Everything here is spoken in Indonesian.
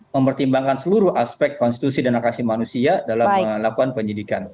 mempertimbangkan seluruh aspek konstitusi dan akasi manusia dalam melakukan penyidikan